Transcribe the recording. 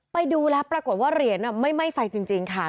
ไปดูแล้วปรากฏว่าเหรียญไม่ไหม้ไฟจริงค่ะ